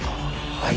はい。